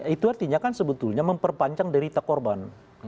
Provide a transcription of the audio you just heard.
itu artinya kan sebetulnya memperpanjang derita korban